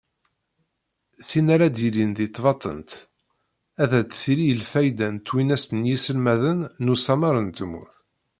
Tin ara d-yilin deg tbatent, ad d-tili i lfayda n twinest n yiselmaden n usamar n tmurt.